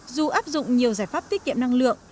dù áp dụng nhiều giải pháp tiết kiệm năng lượng